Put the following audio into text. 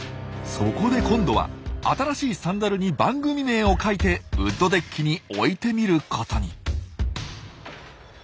そこで今度は新しいサンダルに番組名を書いてウッドデッキに置いてみることに。